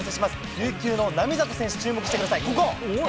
琉球の並里選手に注目してください。